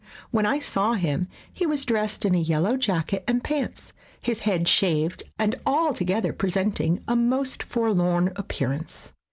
When I saw him he was dressed in a yellow jacket and pants, his head shaved and altogether presenting a most forlorn appearance.